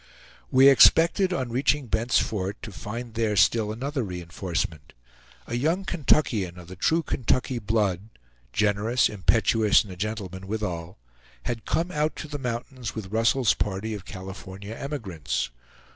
We expected, on reaching Bent's Fort, to find there still another re enforcement. A young Kentuckian of the true Kentucky blood, generous, impetuous, and a gentleman withal, had come out to the mountains with Russel's party of California emigrants.